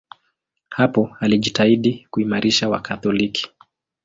Hapo alijitahidi kuimarisha Wakatoliki.